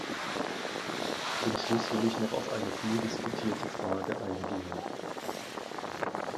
Zum Schluss will ich noch auf eine vieldiskutierte Frage eingehen.